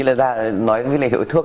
là ra nói với lễ hiệu thuốc